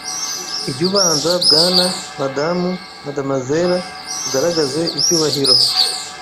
Ijyubanza Bwana / Madamu/ Madamazera ugaragaze icybahiro